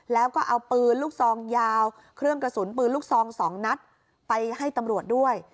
แล้วก็เอาปืนลูกซองยาวเครื่องกระสุนปืนลูกซอง๒นัดไปให้ตำรวจด้วย